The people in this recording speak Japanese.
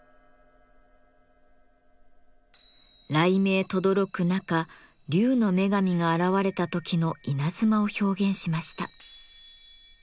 雷鳴とどろく中竜の女神が現れた時の稲妻を表現しました。